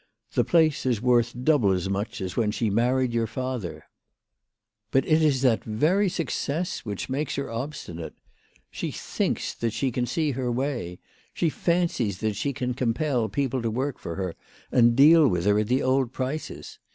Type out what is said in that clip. The place is worth double as much as when she married your father. But it is that very 38 WHY FRAU FROHMANN RAISED HER PRICES. success which makes her obstinate. She thinks that she can see her way. She fancies that she can compel people to work for her and deal with her at the old prices.